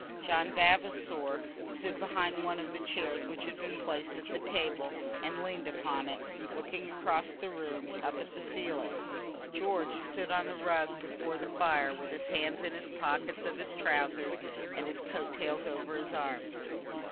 John Vavasor stood behind one of the chairs which had been placed at the table, and leaned upon it, looking across the room, up at the ceiling. George stood on the rug before the fire, with his hands in the pockets of his trousers, and his coat tails over his arms.